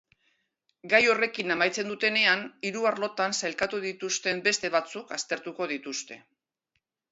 Gai horrekin amaitzen dutenean, hiru arlotan sailkatu dituzten beste batzuk aztertuko dituzte.